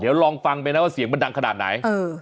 เดี๋ยวลองฟังไปนะว่าเสียงมันดังขนาดไหน